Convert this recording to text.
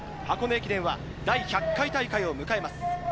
箱根駅伝は第１００回大会を迎えます。